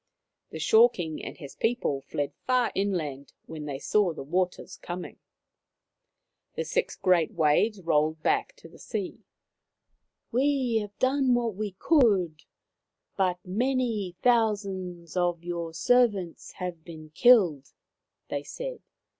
The Shore King and his people fled far inland when they saw the waters coming. The six great waves rolled back to the sea. " We have done what we could, but many thou sands of your servants have been killed/ ' they said.